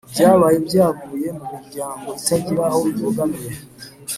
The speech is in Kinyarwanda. byabaye byavuye mu miryango itagira aho ibogamiye